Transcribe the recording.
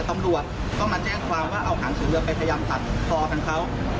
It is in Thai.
ตำรวจก็มาแจ้งความว่าเอาหางเสือเรือไปพยายามตัดคอกันเขา